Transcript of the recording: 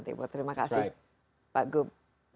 terima kasih pak gub